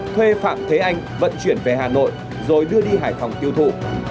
thuê phạm thế anh vận chuyển về hà nội rồi đưa đi hải phòng tiêu thụ